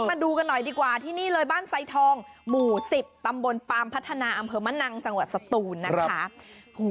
มาดูกันหน่อยดีกว่าที่นี่เลยบ้านไซทองหมู่๑๐ตำบลปามพัฒนาอำเภอมะนังจังหวัดสตูนนะคะ